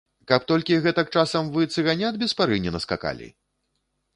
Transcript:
Каб толькі гэтак часам вы цыганят без пары не наскакалі?